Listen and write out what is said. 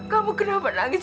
kamu kenapa nangis